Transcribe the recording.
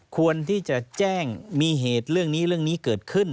ควรที่จะแจ้งมีเหตุเรื่องนี้เรื่องนี้เกิดขึ้น